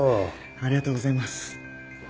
ありがとうございます。